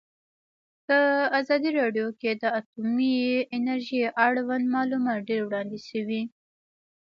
په ازادي راډیو کې د اټومي انرژي اړوند معلومات ډېر وړاندې شوي.